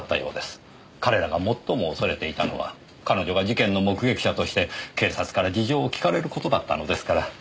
彼らが最も恐れていたのは彼女が事件の目撃者として警察から事情を聞かれる事だったのですから。